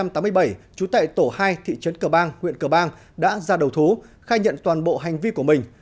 trú tại tổ hai thị trấn cờ bang huyện cờ bang đã ra đầu thú khai nhận toàn bộ hành vi của mình